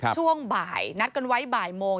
ช่วงบ่ายนัดกันไว้บ่ายโมง